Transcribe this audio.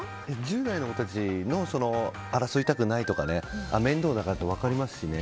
１０代の子たちの争いたくないとか面倒だからって分かりますしね。